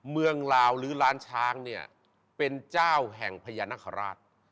ลาวหรือล้านช้างเนี่ยเป็นเจ้าแห่งพญานาคาราช